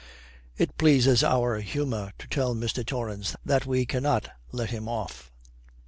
It pleases our humour to tell Mr. Torrance that we cannot let him off.